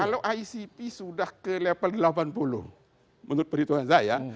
kalau icp sudah ke level delapan puluh menurut perhitungan saya